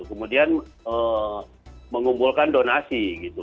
kemudian mengumpulkan donasi